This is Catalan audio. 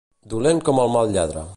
Dolent com el mal lladre.